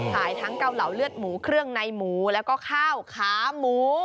ขายทั้งเกาเหลาเลือดหมูเครื่องในหมูแล้วก็ข้าวขาหมู